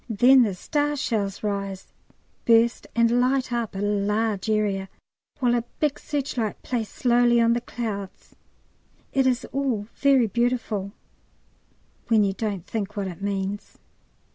Then the star shells rise, burst, and light up a large area, while a big searchlight plays slowly on the clouds. It is all very beautiful when you don't think what it means.